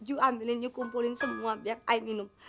iu ambilin iu kumpulin semua biar i minum